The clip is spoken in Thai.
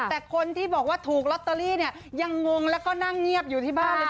แต่คนที่บอกว่าถูกลอตเตอรี่เนี่ยยังงงแล้วก็นั่งเงียบอยู่ที่บ้านเลยค่ะ